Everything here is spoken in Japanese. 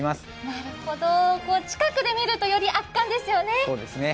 なるほど、近くで見るとより圧巻ですよね。